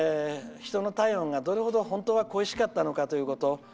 人の体温が、どれほど本当は恋しかったのかということ。